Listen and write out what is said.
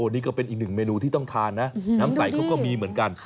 นี่ก็เป็นอีกหนึ่งเมนูที่ต้องทานนะน้ำใสเขาก็มีเหมือนกัน